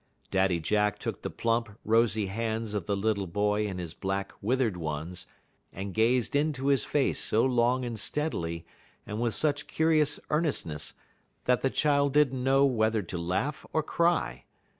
Daddy Jack took the plump, rosy hands of the little boy in his black, withered ones, and gazed into his face so long and steadily, and with such curious earnestness, that the child did n't know whether to laugh or cry.